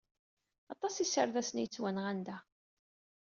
Aṭas iserdasen i yettwanɣan da.